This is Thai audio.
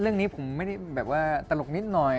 เรื่องนี้ผมไม่ได้แบบว่าตลกนิดหน่อย